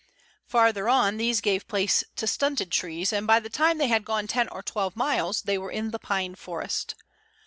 Farther on these gave place to stunted trees, and by the time they had gone ten or twelve miles they were in the pine forest.